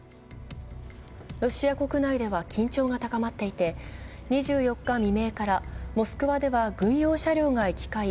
ロシア国内では緊張が高まっていて２４日未明からモスクワでは軍用車両が行き交い